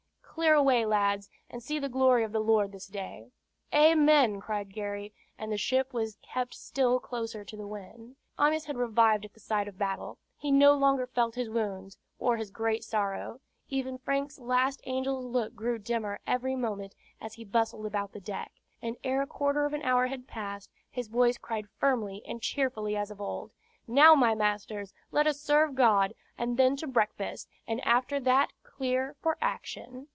Clear away, lads, and see the glory of the Lord this day." "Amen!" cried Gary; and the ship was kept still closer to the wind. Amyas had revived at the sight of battle. He no longer felt his wounds, or his great sorrow; even Frank's last angel's look grew dimmer every moment as he bustled about the deck; and ere a quarter of an hour had passed, his voice cried firmly and cheerfully as of old: "Now, my masters, let us serve God, and then to breakfast, and after that clear for action."